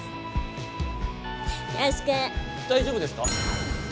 大丈夫ですか？